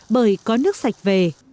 bởi có nước sạch về